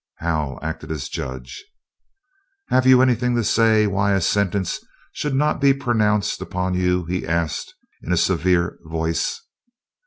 Hal acted as judge. "Have you anything to say why sentence should not be pronounced upon you?" he asked in a severe voice.